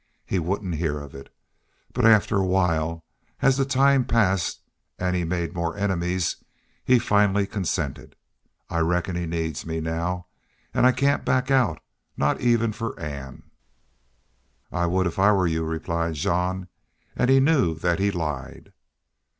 He wouldn't hear of it. But after a while, as the time passed an' he made more enemies, he finally consented. I reckon he needs me now. An' I can't back out, not even for Ann." "I would if I were you," replied jean, and knew that he lied.